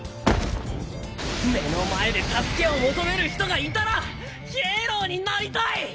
目の前で助けを求める人がいたらヒーローになりたい！